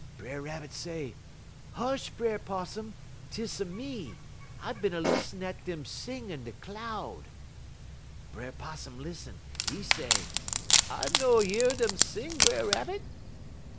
B'er Rabbit say: "'Hush, B'er 'Possum! 'T is a me. I bin a lissen at dem sing in da cloud.' "B'er 'Possum lissen. 'E say: "'I no yed dem sing, B'er Rabbit.'